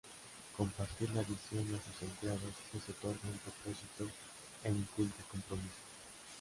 Compartir la visión a sus empleados les otorga un propósito e inculca compromiso.